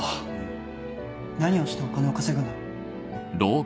何をしてお金を稼ぐんだ？